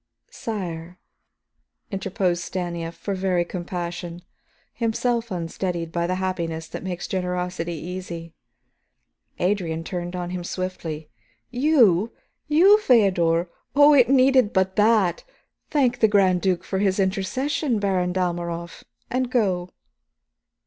"Sire," interposed Stanief for very compassion, himself unsteadied by the happiness that makes generosity easy. Adrian turned on him swiftly. "You? You, Feodor? Oh, it needed but that! Thank the Grand Duke for his intercession, Baron Dalmorov, and go."